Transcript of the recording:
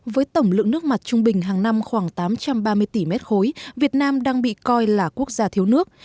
với tổng lượng nước mặt trung bình hàng năm khoảng tám trăm ba mươi tỷ m ba việt nam đang bị coi là quốc gia thiếu nước